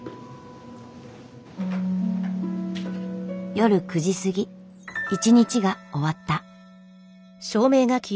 夜９時過ぎ一日が終わった。